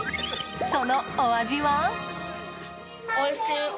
そのお味は。